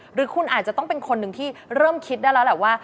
หรือคุณอาจจะต้องเป็นคนหนึ่งที่เริ่มคิดได้แล้วแหละว่า